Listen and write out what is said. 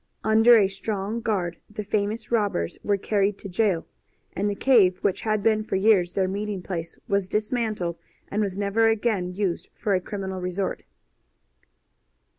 Under a strong guard the famous robbers were carried to jail, and the cave which had been for years their meeting place was dismantled and was never again used for a criminal resort.